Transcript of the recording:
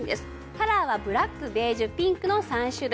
カラーはブラックベージュピンクの３種類。